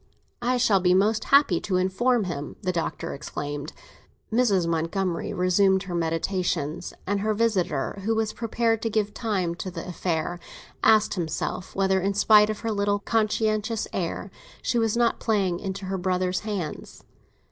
"I shall be most happy to inform him!" the Doctor exclaimed. Mrs. Montgomery resumed her meditations, and her visitor, who was prepared to give time to the affair, asked himself whether, in spite of her little conscientious air, she was not playing into her brother's hands.